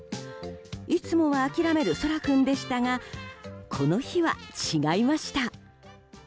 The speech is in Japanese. いつもは諦めるソラ君でしたがこの日は違いました。